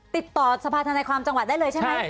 ติดต่อสภาธนาความจังหวัดได้เลยใช่ไหม